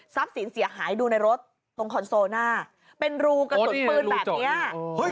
สินเสียหายดูในรถตรงคอนโซลหน้าเป็นรูกระสุนปืนแบบนี้